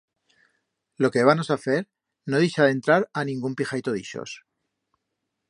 Lo que hébanos a fer, no dixar entrar a ningún pijaito d'ixos.